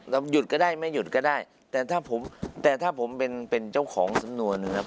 หยุดก็ได้ไม่หยุดก็ได้แต่ถ้าผมแต่ถ้าผมเป็นเป็นเจ้าของสำนวนนะครับ